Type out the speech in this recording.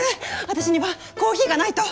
私にはコーヒーがないと。